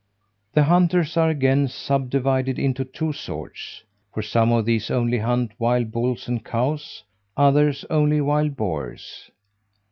The hunters are again subdivided into two sorts; for some of these only hunt wild bulls and cows, others only wild boars.